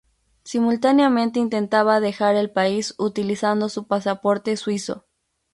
Simultáneamente intentaba dejar el país utilizando su pasaporte suizo.